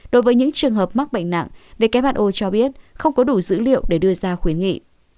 đối với những trường hợp mắc bệnh nặng who cho biết không có đủ dữ liệu để đưa ra khuyến nghị